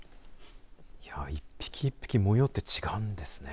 １匹１匹、模様って違うんですね。